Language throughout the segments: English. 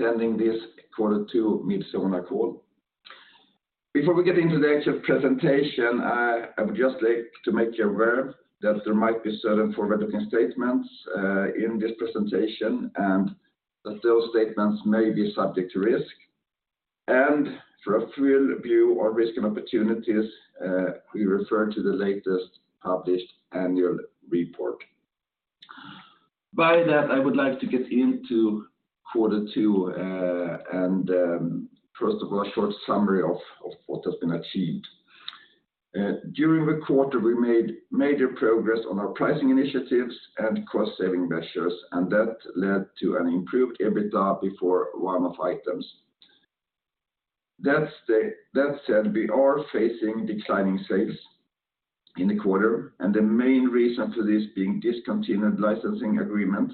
Attending this Q2 Midsona call. Before we get into the actual presentation, I would just like to make you aware that there might be certain forward-looking statements in this presentation, and that those statements may be subject to risk. For a full view of our risk and opportunities, we refer to the latest published annual report. By that, I would like to get into Q2, first of all, a short summary of what has been achieved. During the quarter, we made major progress on our pricing initiatives and cost-saving measures. That led to an improved EBITDA before one-off items. That said, we are facing declining sales in the quarter. The main reason to this being discontinued licensing agreements.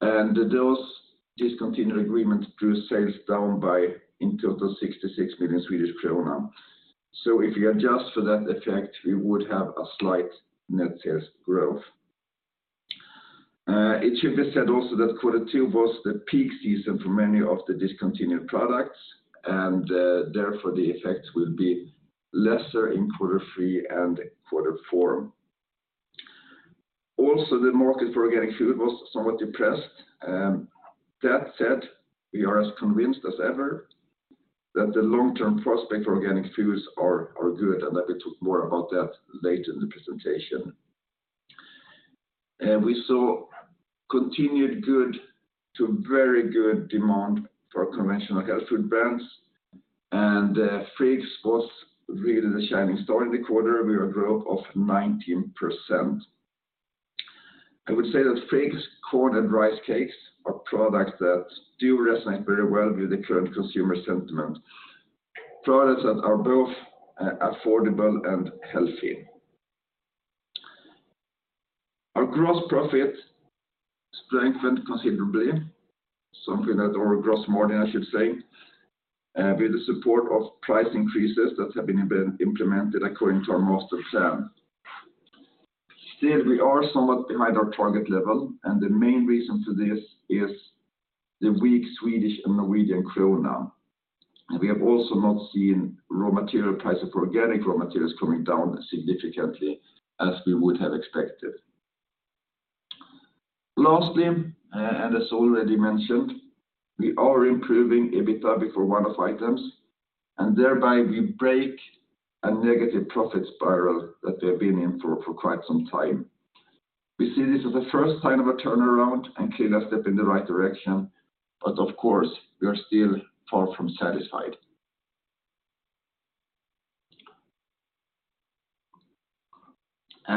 Those discontinued agreements drew sales down by, in total, 66 million Swedish krona. If you adjust for that effect, we would have a slight net sales growth. It should be said also that quarter two was the peak season for many of the discontinued products, and therefore, the effect will be lesser in quarter three and quarter four. Also, the market for organic food was somewhat depressed. That said, we are as convinced as ever that the long-term prospect for organic foods are good, and that we talk more about that later in the presentation. We saw continued good to very good demand for conventional health food brands, and Friggs was really the shining star in the quarter with a growth of 19%. I would say that Friggs corn and rice cakes are products that do resonate very well with the current consumer sentiment, products that are both affordable and healthy. Our gross profit strengthened considerably, something that. Or gross margin, I should say, with the support of price increases that have been implemented according to our master plan. Still, we are somewhat behind our target level, and the main reason to this is the weak Swedish and Norwegian krona. We have also not seen raw material prices for organic raw materials coming down significantly as we would have expected. Lastly, and as already mentioned, we are improving EBITDA before one-off items, and thereby we break a negative profit spiral that we have been in for quite some time. We see this as a first sign of a turnaround and clear a step in the right direction, but of course, we are still far from satisfied.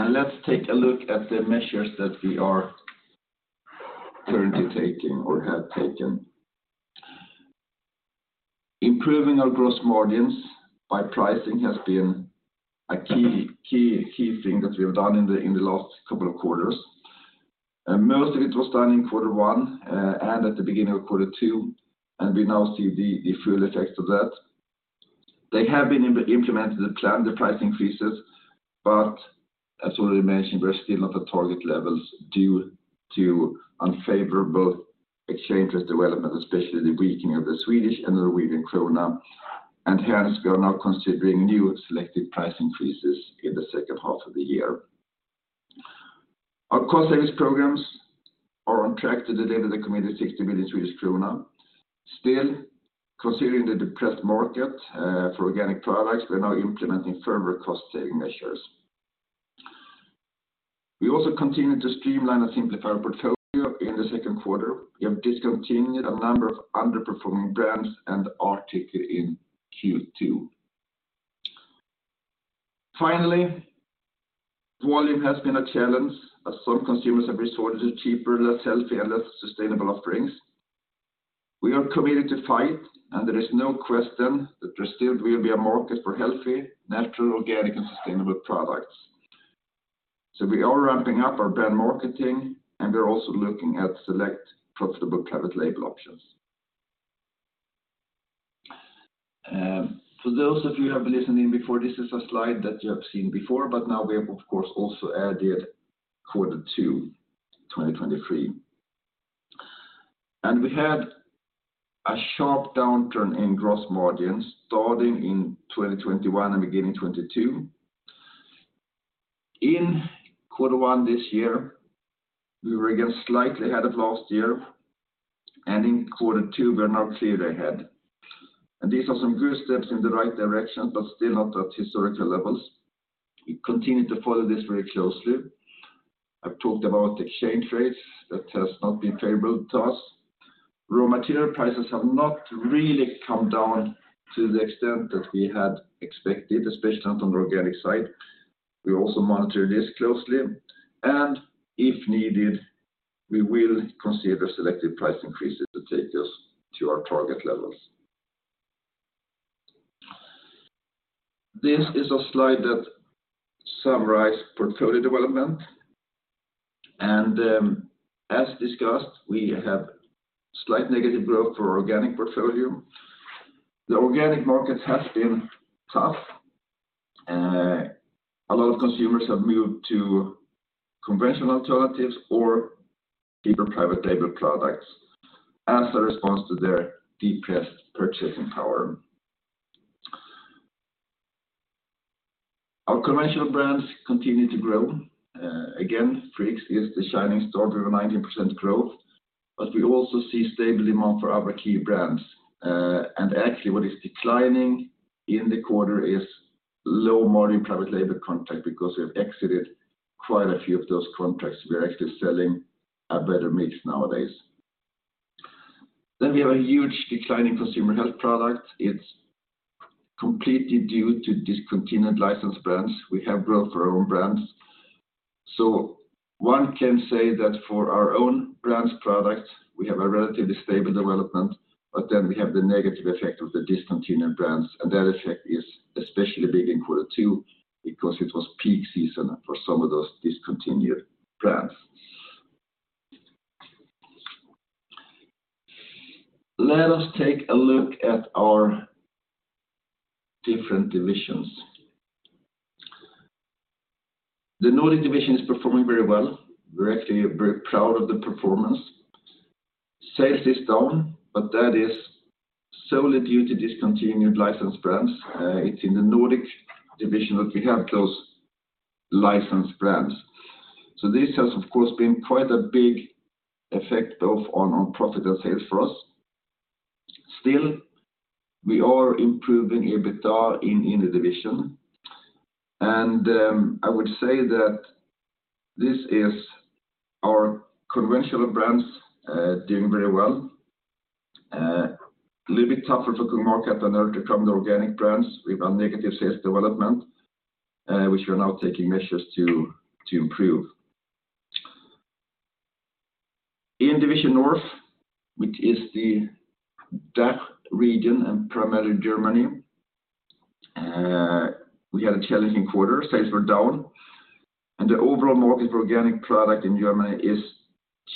Let's take a look at the measures that we are currently taking or have taken. Improving our gross margins by pricing has been a key thing that we have done in the last couple of quarters. Most of it was done in quarter one, and at the beginning of quarter two, and we now see the full effects of that. They have been implemented as planned, the price increases. As already mentioned, we're still not at target levels due to unfavorable exchange rates development, especially the weakening of the Swedish and the Norwegian krona. Hence, we are now considering new selective price increases in the second half of the year. Our cost savings programs are on track to deliver the committed 60 million Swedish krona. Still, considering the depressed market for organic products, we are now implementing further cost-saving measures. We also continued to streamline and simplify our portfolio in the second quarter. We have discontinued a number of underperforming brands and are taking in Q2. Finally, volume has been a challenge as some consumers have resorted to cheaper, less healthy, and less sustainable offerings. We are committed to fight, and there is no question that there still will be a market for healthy, natural, organic, and sustainable products. We are ramping up our brand marketing, and we're also looking at select profitable private label options. For those of you who have listened in before, this is a slide that you have seen before, but now we have, of course, also added Q2 2023. We had a sharp downturn in gross margins starting in 2021 and beginning 2022. In Q1 this year, we were again slightly ahead of last year, and in Q2, we are now clear ahead. These are some good steps in the right direction, but still not at historical levels. We continue to follow this very closely. I've talked about exchange rates, that has not been favorable to us. Raw material prices have not really come down to the extent that we had expected, especially on the organic side. We also monitor this closely, and if needed, we will consider selective price increases to take us to our target levels. This is a slide that summarize portfolio development, and, as discussed, we have slight negative growth for organic portfolio. The organic markets have been tough. A lot of consumers have moved to conventional alternatives or deeper private label products as a response to their depressed purchasing power. Our commercial brands continue to grow. Again, Friggs is the shining star with a 90% growth, but we also see stable demand for our other key brands. Actually, what is declining in the quarter is low-margin private label contract because we have exited quite a few of those contracts. We are actually selling a better mix nowadays. We have a huge decline in consumer health products. It's completely due to discontinued licensed brands. We have growth for our own brands. One can say that for our own brands products, we have a relatively stable development, but then we have the negative effect of the discontinued brands, and that effect is especially big in Q2, because it was peak season for some of those discontinued brands. Let us take a look at our different divisions. The Division Nordics is performing very well. We're actually very proud of the performance. Sales is down, that is solely due to discontinued license brands. It's in the Division Nordics that we have those licensed brands. This has, of course, been quite a big effect both on profitable sales for us. Still, we are improving EBITDA in the division. I would say that this is our conventional brands doing very well. A little bit tougher for market than other from the organic brands. We've a negative sales development, which we are now taking measures to improve. In Division North Europe, which is the DACH region and primarily Germany, we had a challenging quarter. Sales were down, the overall market for organic product in Germany is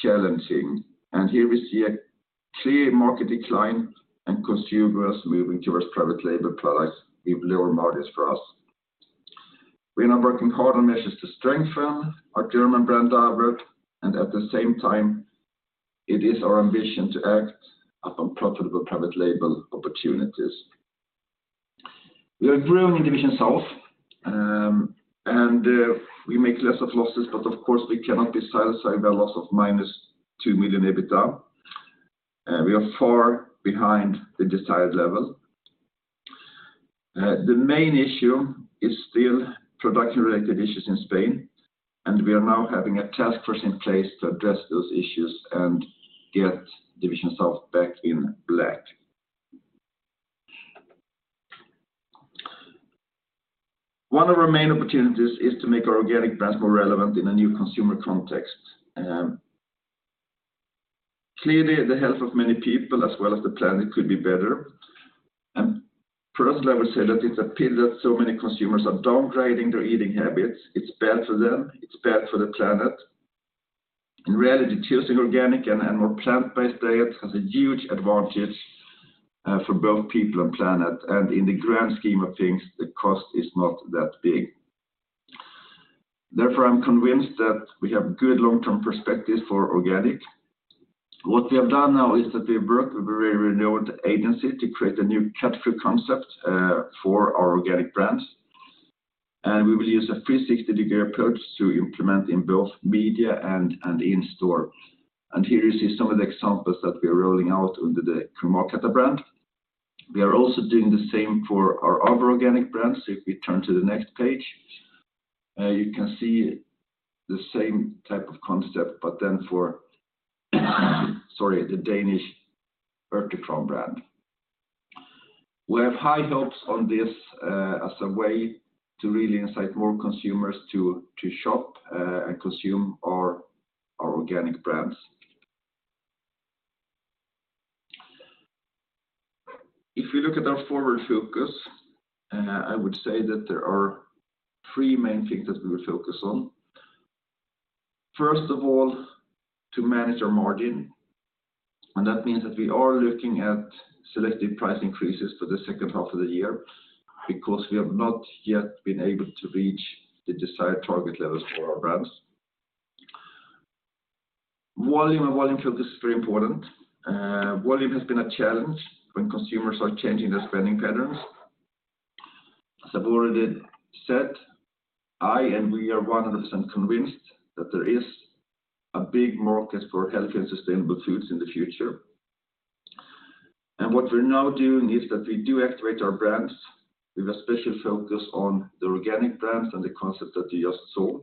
challenging, and here we see a clear market decline and consumers moving towards private label products with lower margins for us. We are now working hard on measures to strengthen our German brand Urtekram. At the same time, it is our ambition to act upon profitable private label opportunities. We are growing in Division South. We make less of losses. Of course, we cannot be satisfied by a loss of -2 million EBITDA. We are far behind the desired level. The main issue is still production-related issues in Spain. We are now having a task force in place to address those issues and get Division South back in black. One of our main opportunities is to make our organic brand more relevant in a new consumer context. Clearly, the health of many people, as well as the planet, could be better. Personally, I would say that it's a pity that so many consumers are downgrading their eating habits. It's bad for them, it's bad for the planet. In reality, choosing organic and more plant-based diet has a huge advantage for both people and planet, and in the grand scheme of things, the cost is not that big. Therefore, I'm convinced that we have good long-term perspective for organic. What we have done now is that we've worked with a very renowned agency to create a new category concept for our organic brands. We will use a 360-degree approach to implement in both media and in store. Here you see some of the examples that we are rolling out under the Kung Markatta brand. We are also doing the same for our other organic brands. If we turn to the next page, you can see the same type of concept, but then for, sorry, the Danish Urtekram brand. We have high hopes on this as a way to really insight more consumers to shop and consume our organic brands. If you look at our forward focus, I would say that there are three main things that we will focus on. First of all, to manage our margin, and that means that we are looking at selective price increases for the second half of the year because we have not yet been able to reach the desired target levels for our brands. Volume and volume field is very important. Volume has been a challenge when consumers are changing their spending patterns. As I've already said, I and we are 100% convinced that there is a big market for healthy and sustainable foods in the future. What we're now doing is that we do activate our brands with a special focus on the organic brands and the concept that you just saw.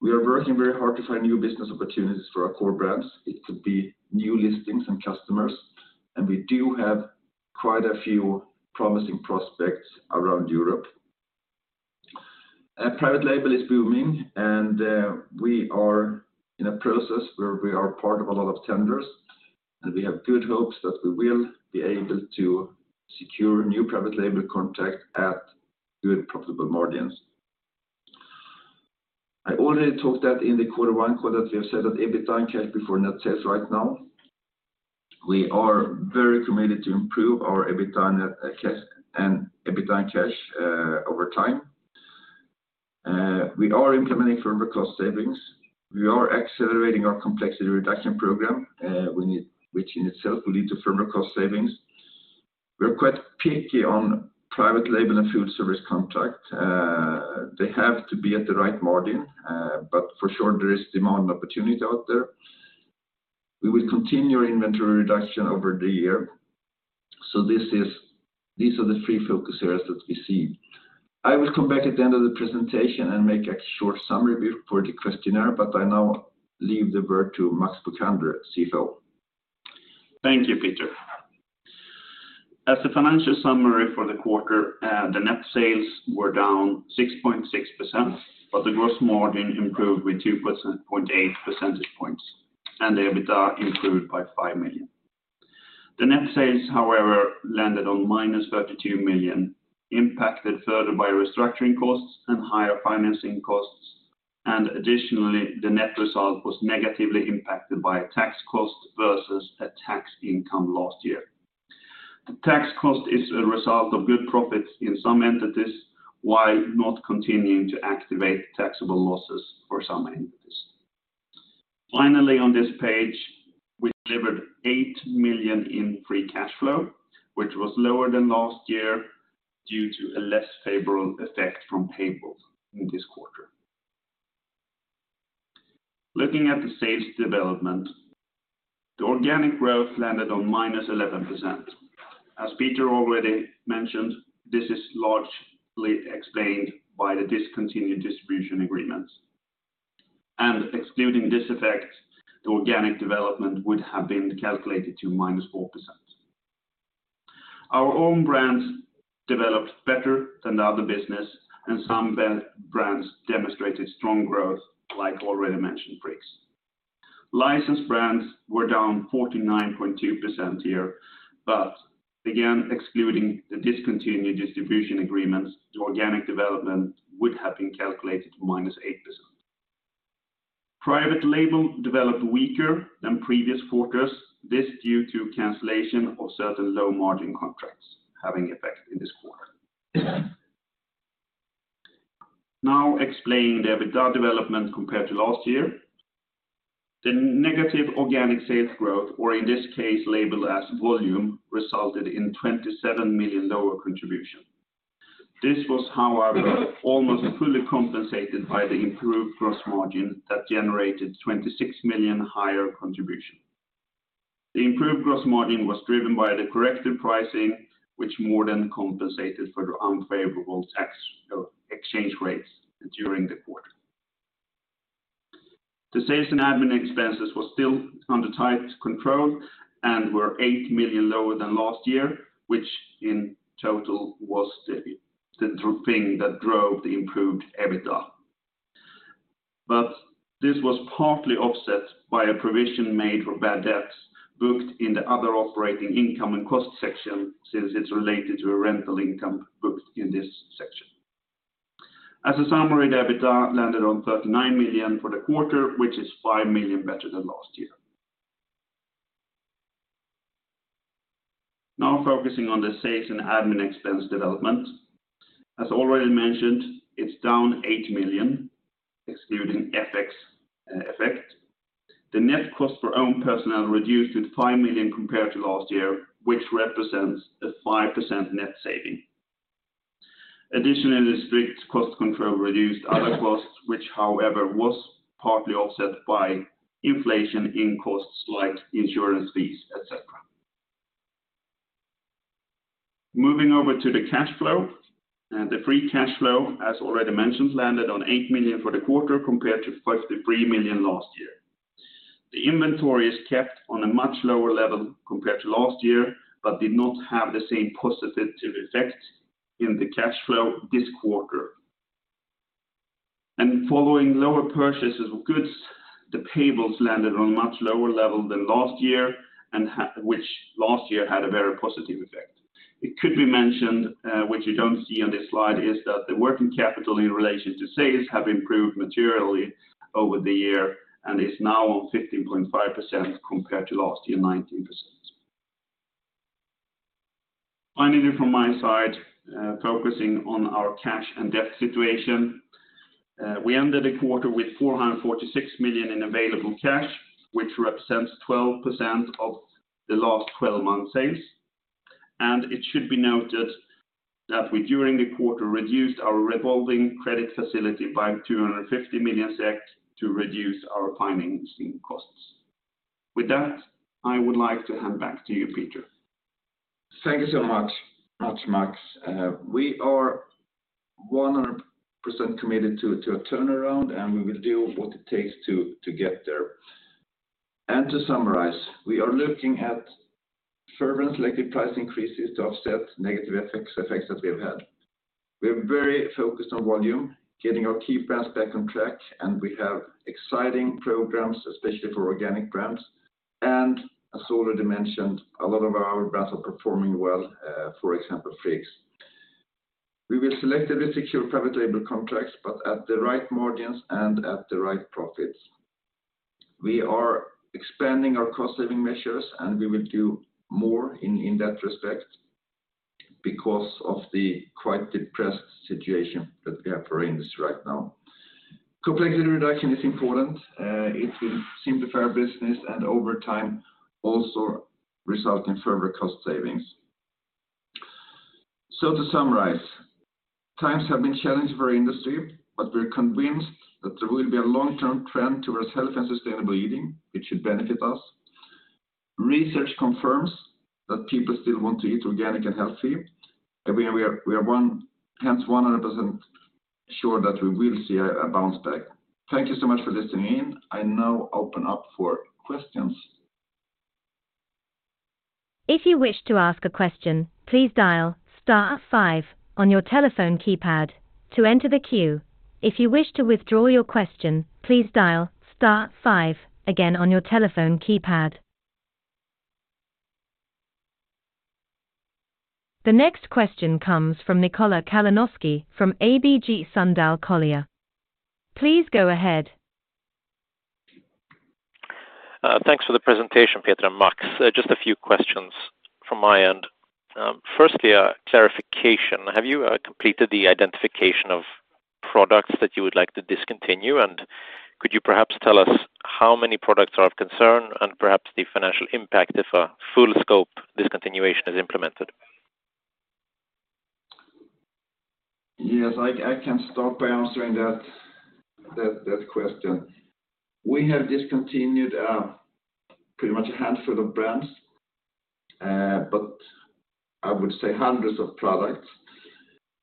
We are working very hard to find new business opportunities for our core brands. It could be new listings and customers, and we do have quite a few promising prospects around Europe. Private label is booming, and we are in a process where we are part of a lot of tenders, and we have good hopes that we will be able to secure new private label contract at good profitable margins. I already talked that in the quarter 1 call that we have said that EBITDA and cash before net sales right now, we are very committed to improve our EBITDA net, cash and EBITDA cash over time. We are implementing further cost savings. We are accelerating our complexity reduction program, which in itself will lead to further cost savings. We are quite picky on private label and food service contract. They have to be at the right margin, for sure there is demand and opportunity out there. We will continue our inventory reduction over the year. These are the three focus areas that we see. I will come back at the end of the presentation and make a short summary before the questionnaire, I now leave the word to Max Bokander, CFO. Thank you, Peter. As a financial summary for the quarter, the net sales were down 6.6%, but the gross margin improved with 2.8 percentage points, and the EBITDA improved by 5 million. The net sales, however, landed on -32 million, impacted further by restructuring costs and higher financing costs. Additionally, the net result was negatively impacted by a tax cost versus a tax income last year. The tax cost is a result of good profits in some entities, while not continuing to activate taxable losses for some entities. Finally, on this page, we delivered 8 million in free cash flow, which was lower than last year due to a less favorable effect from payables in this quarter. Looking at the sales development, the organic growth landed on -11%. As Peter already mentioned, this is largely explained by the discontinued distribution agreements. Excluding this effect, the organic development would have been calculated to -4%. Our own brands developed better than the other business, and some brands demonstrated strong growth, like already mentioned, Friggs. Licensed brands were down 49.2% year. Again, excluding the discontinued distribution agreements, the organic development would have been calculated to -8%. Private label developed weaker than previous quarters. This due to cancellation of certain low margin contracts having effect in this quarter. Explaining the EBITDA development compared to last year, the negative organic sales growth, or in this case labeled as volume, resulted in 27 million lower contribution. This was, however, almost fully compensated by the improved gross margin that generated 26 million higher contribution. The improved gross margin was driven by the corrective pricing, which more than compensated for the unfavorable FX exchange rates during the quarter. The sales and admin expenses were still under tight control and were 8 million lower than last year, which in total was the thing that drove the improved EBITDA. This was partly offset by a provision made for bad debts booked in the other operating income and cost section, since it's related to a rental income booked in this section. As a summary, the EBITDA landed on 39 million for the quarter, which is 5 million better than last year. Focusing on the sales and admin expense development. As already mentioned, it's down 8 million, excluding FX effect. The net cost for own personnel reduced with 5 million compared to last year, which represents a 5% net saving. Additionally, strict cost control reduced other costs, which however, was partly offset by inflation in costs like insurance fees, et cetera. Moving over to the cash flow, and the free cash flow, as already mentioned, landed on 8 million for the quarter, compared to 53 million last year. The inventory is kept on a much lower level compared to last year, but did not have the same positive effect in the cash flow this quarter. Following lower purchases of goods, the payables landed on a much lower level than last year, which last year had a very positive effect. It could be mentioned, what you don't see on this slide is that the working capital in relation to sales have improved materially over the year and is now on 15.5% compared to last year, 19%. Finally, from my side, focusing on our cash and debt situation, we ended the quarter with 446 million in available cash, which represents 12% of the last 12-month sales. It should be noted that we, during the quarter, reduced our revolving credit facility by 250 million SEK to reduce our financing costs. With that, I would like to hand back to you, Peter. Thank you so much, Max. We are 100% committed to a turnaround, and we will do what it takes to get there. To summarize, we are looking at further selected price increases to offset negative FX effects that we have had. We are very focused on volume, getting our key brands back on track, and we have exciting programs, especially for organic brands. As already mentioned, a lot of our brands are performing well, for example, Friggs. We will selectively secure private label contracts, but at the right margins and at the right profits. We are expanding our cost-saving measures, and we will do more in that respect because of the quite depressed situation that we have for industry right now. Complexity reduction is important. It will simplify our business and over time, also result in further cost savings. To summarize, times have been challenged for our industry, but we're convinced that there will be a long-term trend towards healthy and sustainable eating, which should benefit us. Research confirms that people still want to eat organic and healthy, and we are one hence 100% sure that we will see a bounce back. Thank you so much for listening in. I now open up for questions. If you wish to ask a question, please dial star five on your telephone keypad to enter the queue. If you wish to withdraw your question, please dial star five again on your telephone keypad. The next question comes from Nikola Kalanoski from ABG Sundal Collier. Please go ahead. Thanks for the presentation, Peter and Max. Just a few questions from my end. Firstly, a clarification, have you completed the identification of products that you would like to discontinue? Could you perhaps tell us how many products are of concern and perhaps the financial impact if a full scope discontinuation is implemented? Yes, I can start by answering that question. We have discontinued pretty much a handful of brands, but I would say hundreds of products.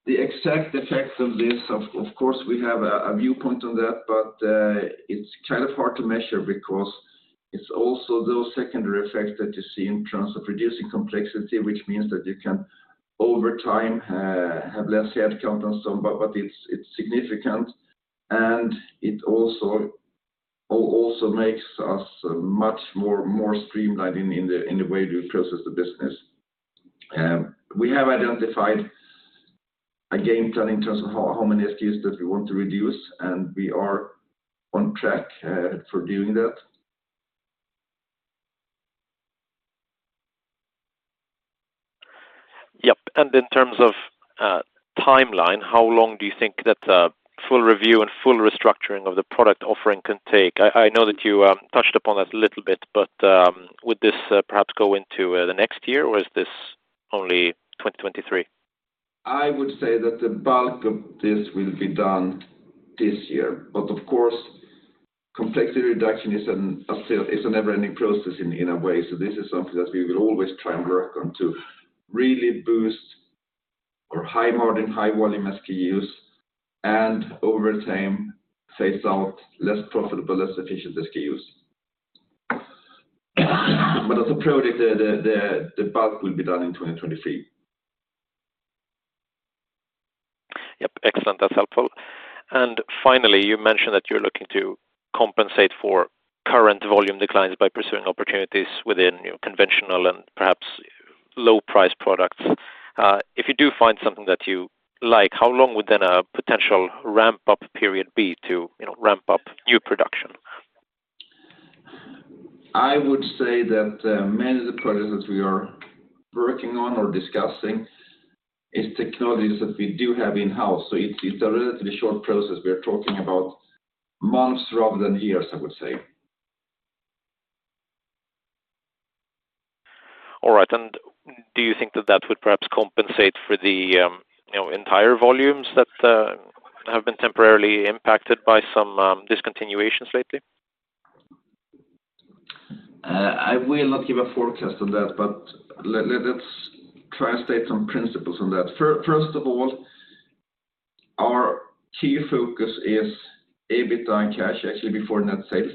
The exact effect of this, of course, we have a viewpoint on that, but it's kind of hard to measure because it's also those secondary effects that you see in terms of reducing complexity, which means that you can over time have less head count on some, but it's significant, and it also makes us much more streamlined in the way we process the business. We have identified a game plan in terms of how many SKUs that we want to reduce, and we are on track for doing that. Yep. In terms of timeline, how long do you think that full review and full restructuring of the product offering can take? I know that you touched upon that a little bit, but would this perhaps go into the next year, or is this only 2023? I would say that the bulk of this will be done this year, but of course, complexity reduction is a still, it's a never-ending process in a way. This is something that we will always try and work on to really boost our high margin, high volume SKUs, and over time, phase out less profitable, less efficient SKUs. As a product, the bulk will be done in 2023. Yep. Excellent. That's helpful. Finally, you mentioned that you're looking to compensate for current volume declines by pursuing opportunities within your conventional and perhaps low price products. If you do find something that you like, how long would then a potential ramp-up period be to, you know, ramp up new production? I would say that, many of the projects that we are working on or discussing is technologies that we do have in-house. It's a relatively short process. We are talking about months rather than years, I would say. All right. Do you think that that would perhaps compensate for the, you know, entire volumes that have been temporarily impacted by some discontinuations lately? I will not give a forecast on that, but let's try and state some principles on that. First of all, our key focus is EBITDA and cash, actually, before net sales.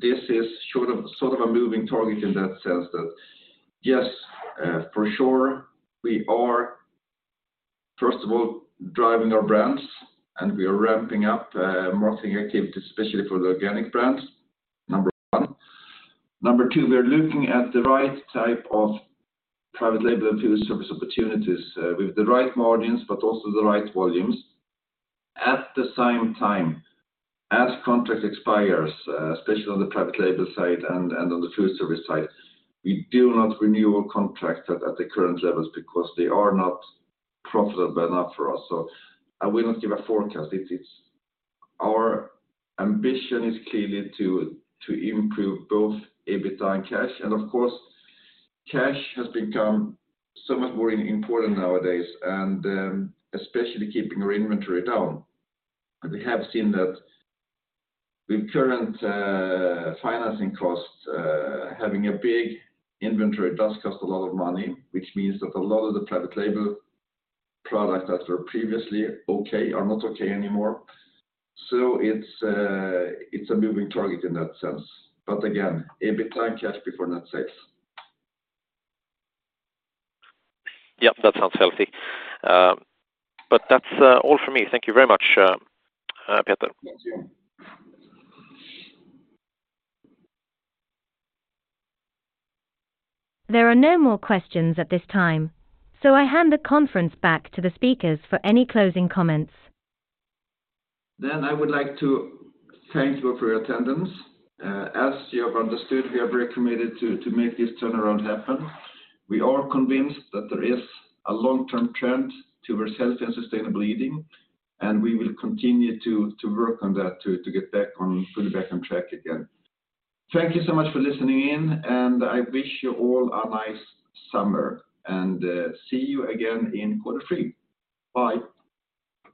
This is sort of a moving target in that sense, that, yes, for sure, we are, first of all, driving our brands, and we are ramping up marketing activities, especially for the organic brands, number one. Number two, we are looking at the right type of private label and food service opportunities with the right margins, but also the right volumes. At the same time, as contract expires, especially on the private label side and on the food service side, we do not renew a contract at the current levels because they are not profitable enough for us. I will not give a forecast. It is our ambition is clearly to improve both EBITDA and cash, and of course, cash has become so much more important nowadays, and especially keeping our inventory down. We have seen that with current financing costs, having a big inventory does cost a lot of money, which means that a lot of the private label products that were previously okay, are not okay anymore. it's a moving target in that sense. Again, EBITDA and cash before net sales. Yep, that sounds healthy. That's all for me. Thank you very much, Peter. Thank you. There are no more questions at this time, so I hand the conference back to the speakers for any closing comments. I would like to thank you for your attendance. As you have understood, we are very committed to make this turnaround happen. We are convinced that there is a long-term trend towards healthy and sustainable eating, and we will continue to work on that, to get fully back on track again. Thank you so much for listening in, and I wish you all a nice summer, and see you again in quarter three. Bye.